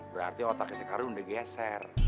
berarti otaknya sekarang udah geser